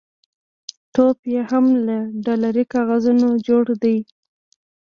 ټوپ یې هم له ډالري کاغذونو جوړ دی.